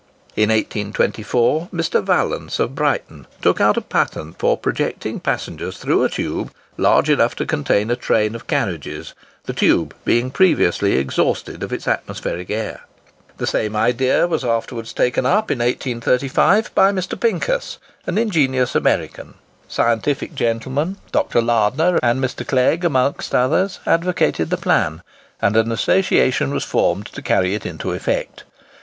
In 1824, Mr. Vallance of Brighton took out a patent for projecting passengers through a tube large enough to contain a train of carriages; the tube being previously exhausted of its atmospheric air. The same idea was afterwards taken up, in 1835, by Mr. Pinkus, an ingenious American. Scientific gentlemen, Dr. Lardner and Mr. Clegg amongst others, advocated the plan; and an association was formed to carry it into effect.